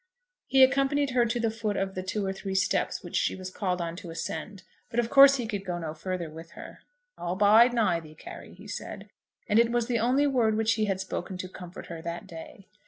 He accompanied her to the foot of the two or three steps which she was called on to ascend, but of course he could go no further with her. "I'll bide nigh thee, Carry," he said; and it was the only word which he had spoken to comfort her that day.